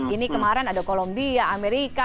ini kemarin ada kolombia amerika